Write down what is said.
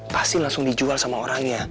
pasti langsung dijual sama orangnya